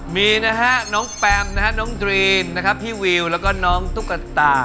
มีนะฮะน้องแปมนะฮะน้องดรีมนะครับพี่วิวแล้วก็น้องตุ๊กตา